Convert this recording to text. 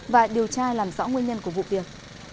và điều tra làm rõ nguyên nhân của vụ việc